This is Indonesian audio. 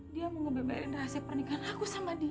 dia mau ngebeberin rahasia pernikahan aku sama dia